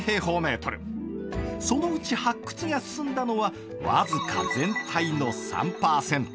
そのうち発掘が進んだのは僅か全体の３％。